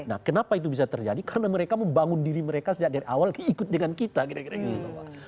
nah kenapa itu bisa terjadi karena mereka membangun diri mereka sejak dari awal ikut dengan kita kira kira gitu pak